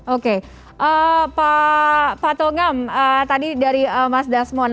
oke pak tunggam tadi dari mas dasmon